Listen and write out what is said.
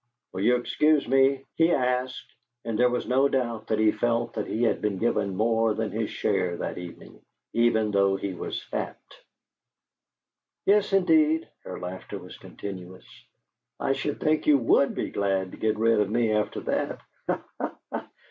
"Will you excuse me?" he asked, and there was no doubt that he felt that he had been given more than his share that evening, even though he was fat. "Yes, indeed." Her laughter was continuous. "I should think you WOULD be glad to get rid of me after that.